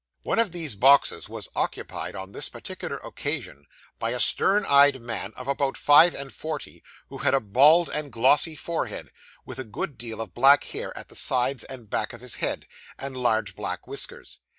One of these boxes was occupied, on this particular occasion, by a stern eyed man of about five and forty, who had a bald and glossy forehead, with a good deal of black hair at the sides and back of his head, and large black whiskers.